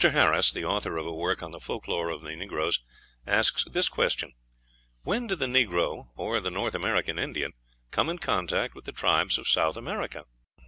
Harris, the author of a work on the folk lore of the negroes, asks this question, "When did the negro or the North American Indian come in contact with the tribes of South America?"